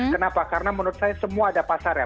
kenapa karena menurut saya semua ada pasar ya